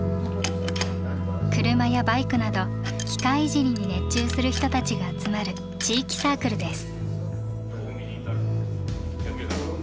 車やバイクなど機械いじりに熱中する人たちが集まる地域サークルです。